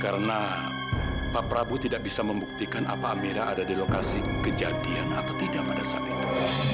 karena pak prabu tidak bisa membuktikan apa amira ada lokasikan kejadian atau tidak pada saat itu